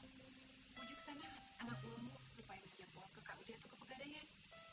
mujuk saja anak uangmu supaya menjam uang ke kud atau ke pegadaian